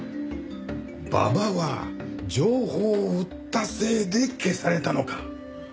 馬場は情報を売ったせいで消されたのか。